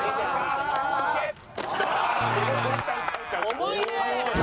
重いねえ！